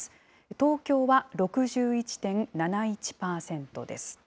東京は６１．７１％です。